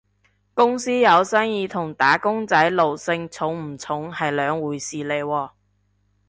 公司有生意同打工仔奴性重唔重係兩回事嚟喎